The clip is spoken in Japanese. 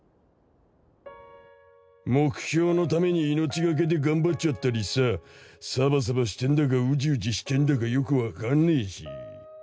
目標のために命懸けで頑張っちゃったりさサバサバしてんだかウジウジしてんだかよく分かんねぇし。